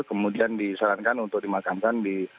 kemudian disarankan untuk dimakamkan di